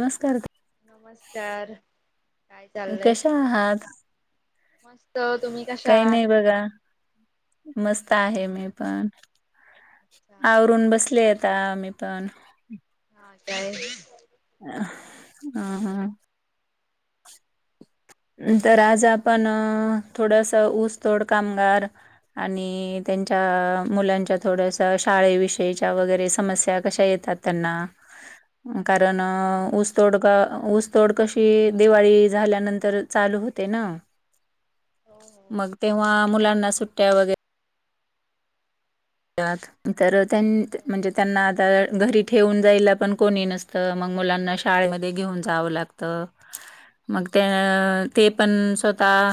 नमस्कार. नमस्का, काय ताई. चाललंय? कशा आहात मस्त तुम्ही [inaudible] कशा काही आहात? नाही बघा. मस्त आहे हा, मी पण अच्छा आवरून बसले अता मी पण. हा काय. अ ह ह. नंतर आज बोला आपण थोडस ऊसतोड कामगार आणि त्यांच्या मुलांच्या थोडस शा ळे विषयच्या वगैरे समस्या कशा येतात त्यांना? कारण हा ऊसतोड का ऊसतोड कशी दिवाळी झाल्यानंतर चालू होते ना. हो हो मग तेव्हा मुलांना सुट्टया वगैरे त्यात तर त्यां हो म्हणजे त्यांना आता घरी ठेऊून जायला पण कोणी नसतं. मग मुलांना शाळेमध्ये घेऊन जावं लागतं. मग त्या ते पण स्वतः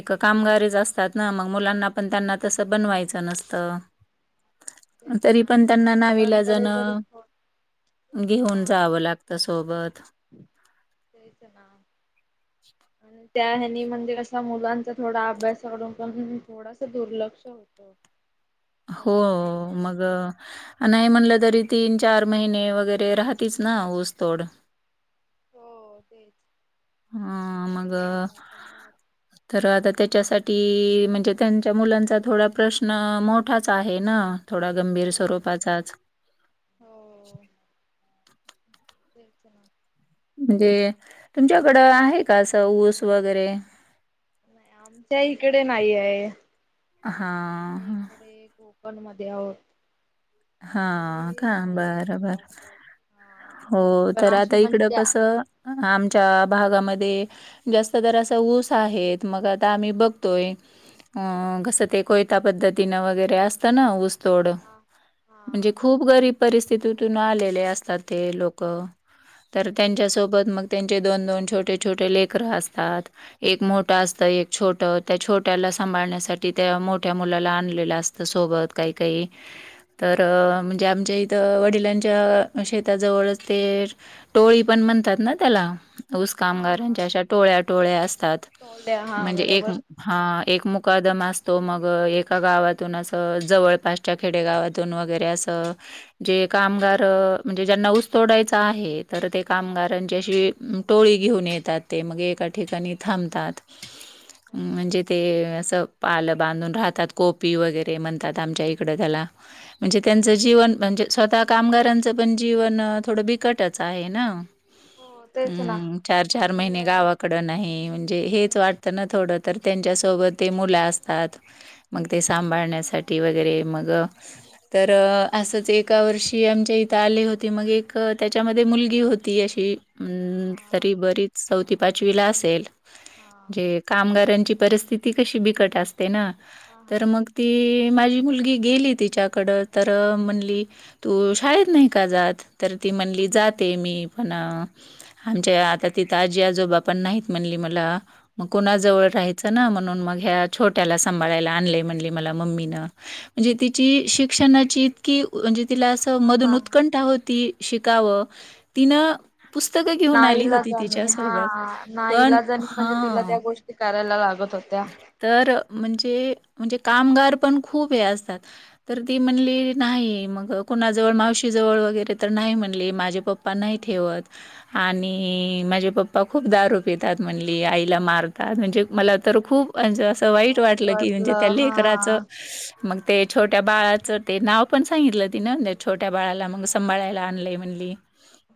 एक कामगारीच असतात ना मग मुलांना पण त्यांना तसं बनवायचं नसतं. तेच तरी ना पण म्हणजे त्यांना मुलांकडे कधी नाविलाजानं [unintelligible] घेऊन जावं लागतं सोबत. तेच ना [inaudible] आणि त्या हेनी म्हणजे कस मुलांचा थोडा अभ्यासाकडून पण थोडासा दुर्लक्ष होत. हो लक्ष नाहीत. मग नाही म्हणलं तरी तीन, चार महिने वगैरे राहतीच ना ऊसतोड. हो तेच. हा, मग तणावर. तर आता त्याच्यासाठी ती म्हणजे त्यांच्या मुलांचा थोडा प्रश्न मोठाच आहे ना. थोडा गंभीर हो हो स्वरूपाचाच. हो, तेच ना. म्हणजे तुमच्याकडं आहे का असं ऊस वगैरे? नाही आमच्या इकडे नाही आहे. हा ह. पण मध्ये आहोत. हा इकडे का नाही बरं म्हनजे बरं अस हा पण आशु म्हणतीया अ हा ह आम च्या भागामध्ये जास्त तर असं ऊस आहेत. मग आता आम्ही बघतोय. अं कसं ते कोयता पद्धतीनं वगैरे असतं ना ऊसतोड. हा म्हणजे हा खूप गरीब परिस्थितीतून आलेले असतात ते लोकं. तर तेच त्यांच्यासोबत मग त्यांचे दोन, दोन छोटे-छोटे लेकरं असतात. एक मोठं असतं. एक छोट, त्या छोट्याला सांभाळण्यासाठी त्या मोठ्या मुलाला आणलेलं असतं सोबत. काही काही तर म्हणजे आमच्या इथं वडिलांच्या शेताजवळच ते टोळी पण म्हणतात ना त्याला ऊस हा हा कामगारांच्या अशा टोळ्या-टोळ्या असतात. टोले हा म्हणजे, एक बरोबर हा एक मुकादम अस तो मग एका गावातून असं जवळपासच्या खेडे गावा तुन वगैरे असं जे कामगार म्हणजे ज्यांना ऊस तोडायचा आहे ते. तर ते हा कामगारांच्याशी टोळी घेऊन येतात ते मगे एका ठिकाणी थांबतात. हा म्हणजे ते असं पालं बांधून राहतात कोपी वगैरे म्हणतात आमच्या इकडं त्याला. म्हणजे त्यांच जीवन म्हणजे स्वतः कामगार त्यांच पण जीवन थोडं बिकटच आहे ना. हो तेच ना हम् चार चार आणि महिने अ गावाकड नाही म्हणजे ते हेच वाटतं ना थोड, तर त्यांच्यासोबत ते मुलं असतात मग ते सांभाळण्यासाठी वगैरे मग तर असंच एका वर्षी आमच्या इथं आले होते मग एक त्याच्यामध्ये मुलगी होती अशी तरी हा बरीच चौथी पाचवीला असेल, हा जे कामगारां परिस्थिती कशी बिकट असते ना, हा तर मग ती माझी मुलगी गेली तिची तिच्या कडं तर म्हणली तू शाळेत नाही का जात तर ती म्हणली जाते मी. पण आमच्या आता तिथं आजी आजोबा पण नाहीत म्हणली मला मग हा कुणाजवळ राहायंच ना मग. म्हणून या छोट्याला सांभाळय आणलंय म्हणली मला मम्मी नं म्हंजे जी शिक्षणाची इतकी म्हणजे तिला असं हा मधून हा उत्कंठा होती. शिकावं तिनं पुस्तकं घेऊन आली होती नाईलाजाणे हा तिच्यासोबत. पण नाईलाजणी म्हणजे तिला हां. त्या गोष्टी करायला लागत होत्या तर म्हणजे म्हणजे कामगार पण खूप हे असतात तर ती म्हणली नाही मग कुणाजवळ मावशी जवळ वगैरे तर नाही म्हटले. माझे पप्पा नाही ठेवत आणि माझे पप्पा खूप दारू पितात म्हणली आईला मारतात म्हणजे मला तर खूप अ वाईट वाटलं की म्हणजे त्या लेकराचं मग ते छोट्या बाळाचं ते नाव पण सांगितलं तिंन. छोट्या बाळाला मग सांभाळायला आणलंय म्हणली.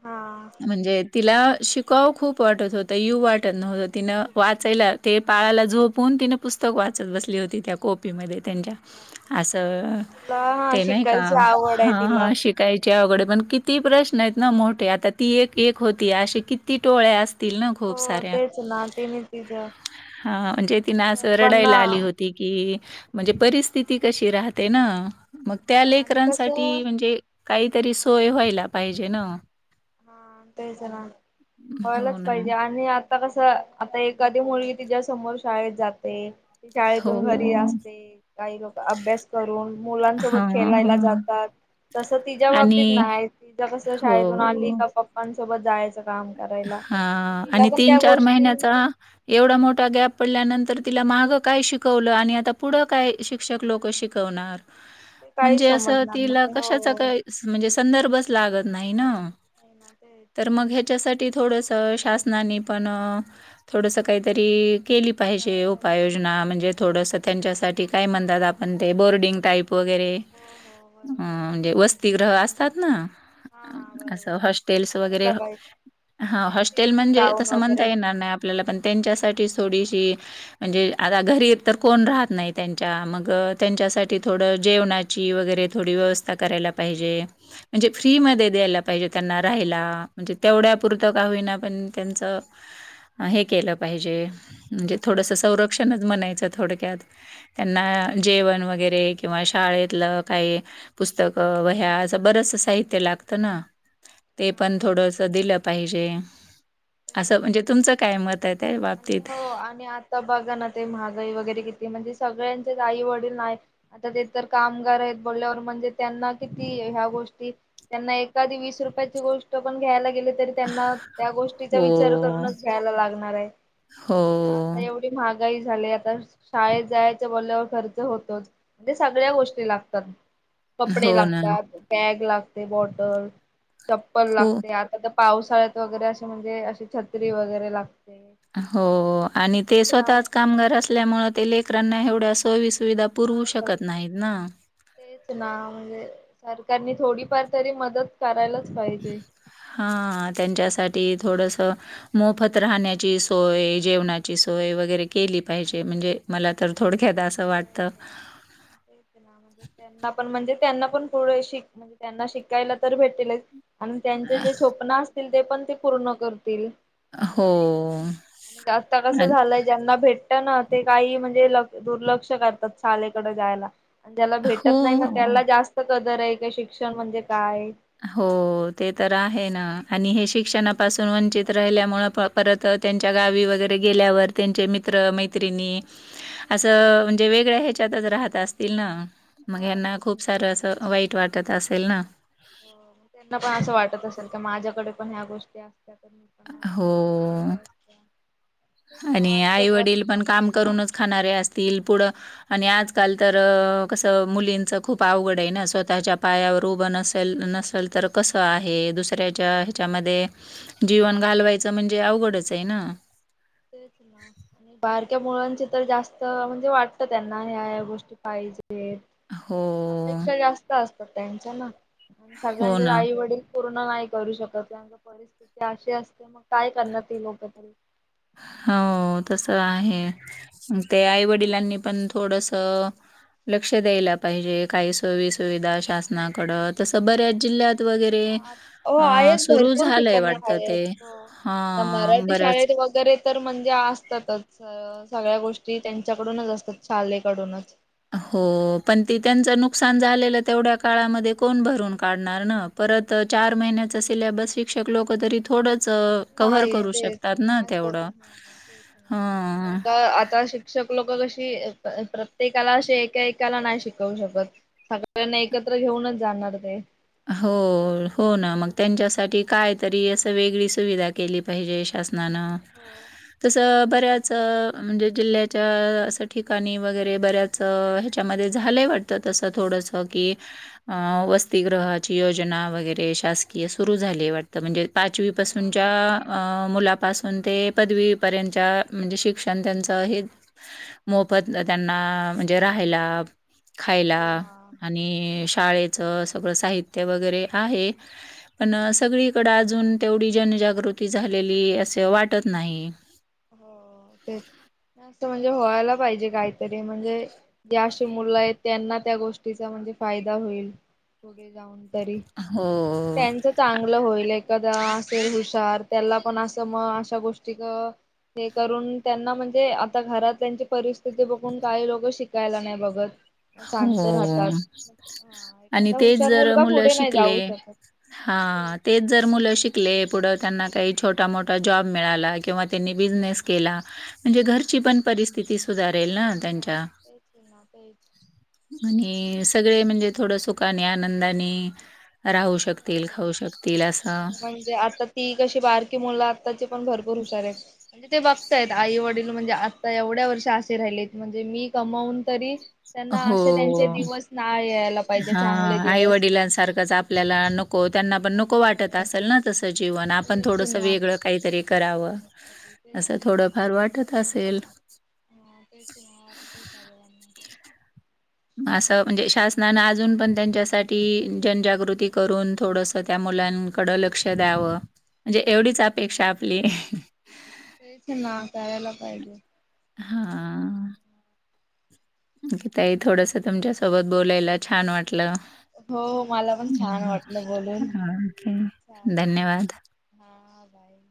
हा म्हणजे तिला शिकाव खूप वाटत होतं यू वाटत नव्हतं तिनं वाचायला ते बाळाला झोपून तिने पुस्तक वाचत बसली होती त्या कोपीमध्ये. त्यांच्या असं तिला हा ते नाही शिकायची आवड आहे तिला. का शिकायची आवड पण किती प्रश्न आहेत ना मोठे आता ती एक एक होती अशी किती टोळ्या असतील. तील ना खूप हो साऱ्या तेच ना तिने तिचं हा म्हणजे, तिन असं सर्वांना रडायला आली हो होती की म्हणजे परिस्थिती कशी राहते ना. मग त्या आणि कसं लेकरांसाठी म्हणजे, काहीतरी सोय व्हायला पाहिजे ना. हा तेच ना हो व्हायलाच ना. पाहिजे आणि आत आता कसं आता एखादी मुलगी तिच्या समोर शाळेत जाते. हो. शाळेतून घरी असते काही लोक अभ्यास करून मुलांसोबत खेळायला हां. जातात. तसं तिच्या आणि बाबतीत नाही, तिच्या कसं शाळेतून आली का पप्पांसोबत जायचं. काम करायला. हा तिला आणि पण तीन त्या चार गोष्टी महिन्याचा एवढा मोठा गॅप पडल्यानंतर तर तिला मागं काय शिकवलं आणि आता पुढं काय शिक्षक लोक शिकवणार. ते काही म्हणजे असं समजणार तिला नाही कशाचा हो. काही म्हणजे संदर्भच लागत नाही ना. [unintelligible] कि थोडस शासनाने पण थोडस काहीतरी केली पाहिजे काय मग उपाययोजना. म्हणजे थोडंसं त्यांच्यासाठी काय म्हणतात आपण ते बोर्डिंग टाईप. वगैरे हो हो अ बरोबर म्हणजे वसतीग्रह करायला असतात ना. हा हा बरोबर असं हॉस्टेल्स वगैरे करायला पाहिजे हा हॉस्टेल तिथेच म्हणजे राहून तसं म्हणता वगैरे येणार नाही आपल्याला पण त्यांच्यासाठी थोडीशी म्हणजे आता घरी एकतर कोण राहत नाही त्यांच्या मग त्यांच्यासाठी थोड जेवणाची वगैरे थोडी व्यवस्था करायला पाहिजे. म्हणजे फ्री मध्ये द्यायला पाहिजे त्यांना राहयाला. हो तेवढ्यापुरतं का होईना पण त्यांचं हे केलं पाहिजे. म्हणजे तेच थोडंसं ना संरक्षणच म्हणायचं थोडक्यात. त्यांना जेवण वगैरे किंवा शाळेतलं काही पुस्तक वहया बरसं साहित्य लागत ना, ते पण हा थोडस दिलं पाहिजे. तेच असं म्हणजे ना तुमचं काय मत? आहे त्या आणि बाबतीत? हो आणि आता बघा ना ते महागाई वगैरे किती म्हणजे सगळ्यांचे आई -वडील नाही देत तर कामगार आहेत, बोलल्यावर म्हणजे त्यांना किती ह्या गोष्टींचा त्यांना एखादी वीस रूपयांची गोष्ट पण घ्यायला गेलीत तर त्यानां त्या गोष्टीचा हो, विचार करूनच घ्यायला लागणार आहं हो, आता येवढी महागाई महागाई झाली आता शाळेत जायचं बोलल्यावर खर्च होतोच ते सगळ्या गोष्टी लागतात. कपडे हो ना. लागतात, बॅग लागते बॉटल, चप्पल खूप लागते, आता पावसाळ्यात वगैरे असे म्हणजे अशी छत्री वगैरे लागते. हो आणि ते तेच ना स्वतःच कामगार असल्यामुळे ते लेकरांना एवढ्या सवीस नाही करू शकत तेच ना म्हणजे सरकारनी थोडीफार तरी मदत करायला. हा त्यांच्यासाठी थोड मोफत राहण्याची सोय जेवणाची सोय वगरे केली पाहिजे. म्हण मला तर असं हो वाटतं. हो तेच ना म्हणजे त्यांना पण म्हणजे त्यांना पण पुढ श म्हणजे त्यांना शिकायला तर भेटेल आणि त्यांचे अ, जे स्वप्न अस ते पण ते पूर्ण करतील. आहे हो. आणि जास्त कस अन् झालंय ज्यांना भेट ना ते काही म्हणजे दुर्लक्ष करतात शालेकडे जायला. आणि ज्याला भेटत नाही ना हो. त्याला जास्त कदर आहे का शिक्षण म्हणजे काय हो ते तर आहे ना आणि हे शिक्षणापासून वंचित राहिल्यामुळे परत त्यांच्या गावी वगरे गेल्यावर त्यांचे मित्र मैत्रणी अस म्हणजे वेगळ च्यातच राहत असतील ना मग हो हना ना. खूप तेच. सारं अस वाईट वाटत असेल ना, हो मग त्यांना पण असं वाटत असेल क माझ्याकडे पण ह्या गोष्टी असतात. नाज हो केल्या असत. आणि आई वडील पण काम करूनच खाणारे असत. तील पुढ आणि आजकाल तर कसं मुलींचं खूप अवघड आहे ना स्वतःच्या पाया नल तर कस आहे दुसऱ्या हच्यामध्ये जीवन घालवा. म्हणजे अवघडच आहे ना, इत मुळंचे तर जास्त म्हणजे वाटत त्यांना ह्या गोष्टी पाहिजेत. हो, अपेक्षा जास्त असतात त्यांच्या ना आणि हो सगळ्यांचे ना. आई वडील पूर्ण नाही करू शकत त्यां परिस्थिती अशी असते मग काय करणार ती लोक तरी हो. हो तस आहे मग ते आई वडिलांनी पण थोडस, लक्ष द्यायला पाहिजे, काही सोयी सुुविधा शासनाकडत तसं बऱ्याच जिल्ह्यात वगैरे हो अ आहेत सुरु भरपूर झालंय ठिकाणी वाटत आहेत ते हो. अ आता मराठी शाळेत वगैरे, तर म्हणजे असतातच सगळ्या गोष्टी त्यांच्याकडूनच असतात. शालेकडूनच हो पण त त्यांचं नुकसान झालेलं तेवढ्या काळामध्ये कोण भरून काढणार ना प परत चार महिन्याचा सिलेबस शिक्षक लोक तरी थोडंच अ, कव्हर नाही करू तेच शकतात ना नाही कर तेवढं. तेच ना हं. कारण का आता शिक्षण लोक कसे प्रत्येकाला अ एकाकाला नाही शिकवू शकत सगळ्यांना एकत्र घेऊनच जाण. नते. हो हो ना मग त्यांच्यासाठी काय तरी असं वेगळी सुविधा केली पाहिजे शासन हो तस तेच बऱच ना म्हणे जिल्ह्याच्या असं ठिकाणी वगैरे बऱ्याच ह्याच्यामध्ये झालंय वाटतं असं थोडंसं की, की वसतिगृहाची योजना वगैरे शासकीय सुरू झाली वाटतं म्हणजे हा हा पाचवीपासूनच्या मुलापासून ते पदवी पर् म्हणजे शिक्षण त्यांच हे मोफत त्यांना म्हजे रा खायला ते हा. आणि शाळेच स साहित्य वगैरे आहे पण सगळीकडे अजून तेवढी जनजागृती झाली ली असं वाटत नाही हो तेच असं म्हणजे व्हायला पाहिजे काहीतरी म्हणजे जे अशी मुलं आहेत त्यांना त्या गोष्टीचा म्ह फायदा होईल पुढे जाऊन तरी हो. त्यांच आ, चांगलं होईल एक [inaudible] कदा असेल हुशार त्याला पण असं मग अशा गोष्टी [inaudible] ते करून त्यांना म्हणजे आता घरात त्यांची परिस्थिती बघून काही लोक शिकायला नाही बघत [inaudible] शांत हो राहतात हा आणि एखादा तेच हुशार जर मुलगा मुलं पुढे नाही शिकले जाऊ शकत [inaudible] हा तेच जर मुलं शिकले पुढ- त्यांनां काही छोटा- मोठा जाॅब मिळाला कींवा त्यांनी बिझनेस केला म्हणजे घरची हा पण परिस्थिती [inaudible] ती सुधारेल ना त्यांच्या तेच ना तेच आणि सगळे म्हणजे [inaudible] थोड सुखाने आनंदाने- राहू शकतील, हो खाऊ शकतील तेघ ना असं. आणि म्हणजे आता ती कशी बारकी मुलं- त्याचे पण भरपूर हुशार आहेत म्हणजे ते बघताय आहेत आई वडील म्हणजे आता एवढ्या वर्ष असे राहिले म्हणजे- मी कमावून तरी- त्यांना असे त्यांचे हो- दिवस नाय यायला पाहिजे हा चांगले आई दिवस. वडिलांसारखंच आपल्याला नको [inaudible] हो त्यांना पण नको वाटत असेल ना तसं जीवन आपण तेच थोडंसं ना. वेगळं काहीतरी- कराव तेच असं ना थोडंफार वाटत असेल- हा तेच ना वाटतं सर्वांना. असं म्हणजे शासनानं अजून पण त्यांच्यासाठी जनजागृती करून थोडंसं त्या मुलां ड लक्ष द्यावं म्हणजे एवढीच अपेक्षा आपली- तेच ना करायला पाहिजे- हा- निकि ताईही थोडस तुमच्यासोबत बोलायला छान वाटत- हो मला पण छान हॅलो वाटलं [inaudible] बोलून. आणि काय चालेल धन्यवाद हा बाई-